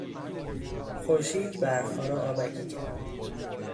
خورشید برفها را آبکی کرد.